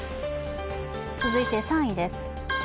続いて３位です。